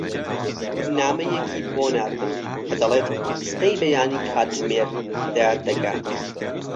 نامەیەکی بۆ ناردم کە دەڵێت سبەی بەیانی کاتژمێر دە دەگات.